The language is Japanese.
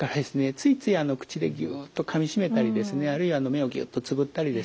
ついつい口でギュッとかみしめたりですねあるいは目をギュッとつむったりですね